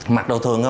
mặt đầu thường thôi